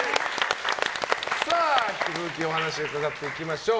引き続きお話伺っていきましょう。